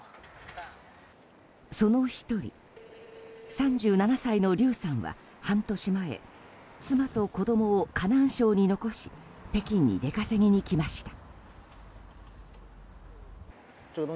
その１人、３７歳のリュウさんは半年前妻と子供を河南省に残し北京に出稼ぎに来ました。